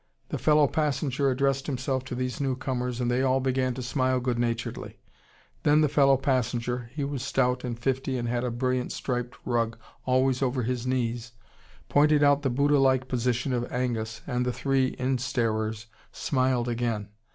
The fellow passenger addressed himself to these new comers, and they all began to smile good naturedly. Then the fellow passenger he was stout and fifty and had a brilliant striped rug always over his knees pointed out the Buddha like position of Angus, and the three in starers smiled again.